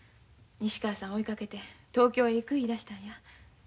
西川さんを追いかけて東京へ行く言いだしたんや。